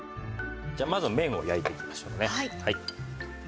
じゃあまずは麺を焼いていきましょうね。